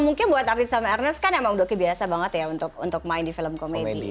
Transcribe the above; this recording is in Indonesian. mungkin buat artis sama ernest kan emang doki biasa banget ya untuk main di film komedi